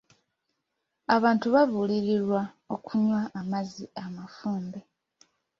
Abantu baabuulirirwa okunywa amazzi amafumbe.